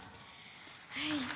はい。